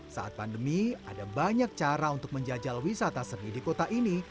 saat pandemi ada banyak cara untuk menjajal wisata seni di kota ini